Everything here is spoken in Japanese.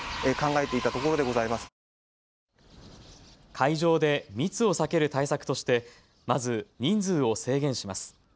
会場で密を避ける対策としてまず、人数を制限します。